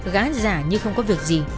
gã giả như không có việc gì